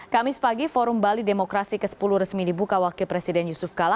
kamis pagi forum bali demokrasi ke sepuluh resmi dibuka wakil presiden yusuf kala